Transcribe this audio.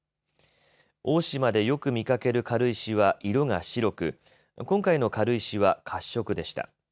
大島でよく見かける軽石は色が白く、今回の軽石は褐色でした。